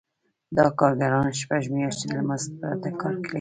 دا کارګرانو شپږ میاشتې له مزد پرته کار کړی دی